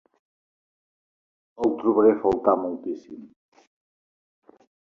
El trobaré a faltar moltíssim.